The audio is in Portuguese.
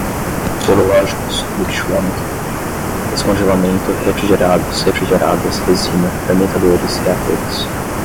sorológicos, ductilômetro, descongelamento, refrigerados, refrigeradas, resina, fermentadores, reatores